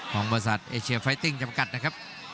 ของบริษัทเอเชียไฟติ้งจำกัดนะครับ